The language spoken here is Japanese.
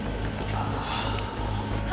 ああ！